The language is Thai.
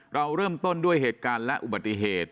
เราเริ่มต้นด้วยเหตุการณ์และอุบัติเหตุ